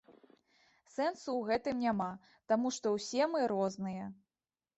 Сэнсу ў гэтым няма, таму што ўсе мы розныя.